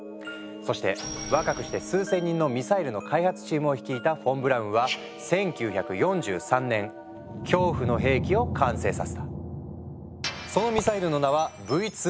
そして若くして数千人のミサイルの開発チームを率いたフォン・ブラウンは１９４３年恐怖の兵器を完成させた。